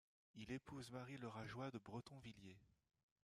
Il épouse Marie Le Rageois de Bretonvilliers.